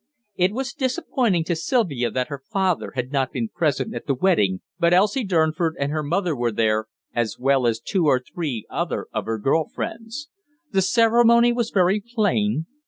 It was disappointing to Sylvia that her father had not been present at the wedding, but Elsie Durnford and her mother were there, as well as two or three other of her girl friends. The ceremony was very plain.